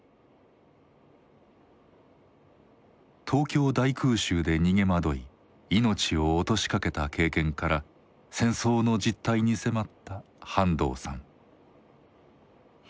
東京大空襲で逃げ惑い命を落としかけた経験から戦争の実態に迫った半藤さん。